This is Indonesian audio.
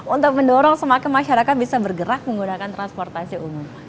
untuk mendorong semakin masyarakat bisa bergerak menggunakan transportasi umum